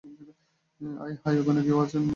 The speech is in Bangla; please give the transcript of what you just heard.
আয় হায়, ওখানে কেউ আছেন?